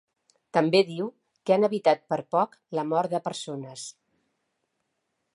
També diu que han evitat per poc la mort de persones.